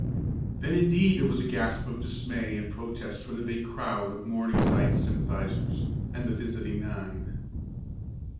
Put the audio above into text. Then indeed was there a gasp of dismay and protest from the big crowd of Morningside sympathizers, and the visiting nine.